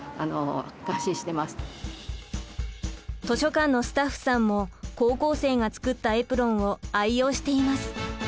図書館のスタッフさんも高校生が作ったエプロンを愛用しています。